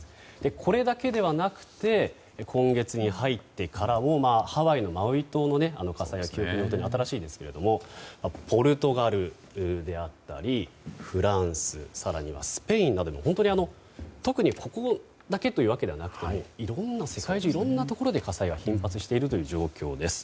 これだけではなくて今月に入ってからもハワイのマウイ島の火災が記憶に新しいですけどもポルトガルであったりフランス、更にはスペインなど特にここだけというだけではなくて世界中いろんなところで火災が発生している状況です。